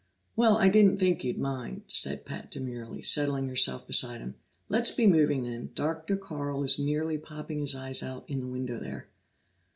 "Well, I didn't think you'd mind," said Pat demurely, settling herself beside him. "Let's be moving, then; Dr. Carl is nearly popping his eyes out in the window there."